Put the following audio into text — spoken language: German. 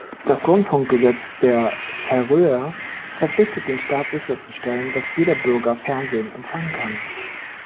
Das Rundfunkgesetz der Färöer verpflichtet den Staat, sicherzustellen, dass jeder Bürger Fernsehen empfangen kann.